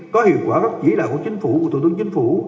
có hiệu quả các chỉ đạo của chính phủ của thủ tướng chính phủ